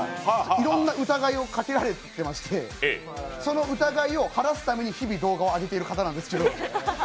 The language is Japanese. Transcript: いろんな疑いをかけられてまして、その疑いを晴らすために日々、動画を上げている方なんです